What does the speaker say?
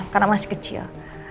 karena masih kecil